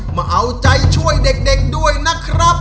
มาเอาใจช่วยเด็กด้วยนะครับ